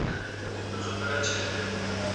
خدای مغرور خلګ نه خوښوي.